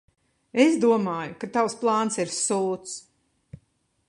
Es domāju, ka tavs plāns ir sūds.